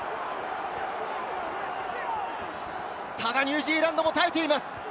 ただニュージーランドも耐えています。